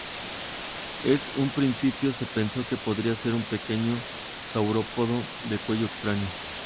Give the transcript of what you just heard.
Es un principio se pensó que podría ser un pequeño saurópodo de cuello extraño.